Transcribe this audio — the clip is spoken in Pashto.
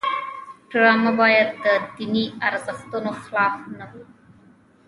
ډرامه باید د دیني ارزښتونو خلاف نه وي